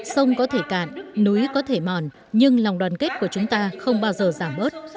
sông có thể cạn núi có thể mòn nhưng lòng đoàn kết của chúng ta không bao giờ giảm bớt